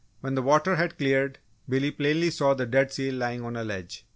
_] When the water had cleared, Billy plainly saw the dead seal lying on a ledge.